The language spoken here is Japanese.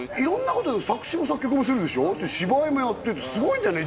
こと作詞も作曲もするでしょ芝居もやっててすごいんだよね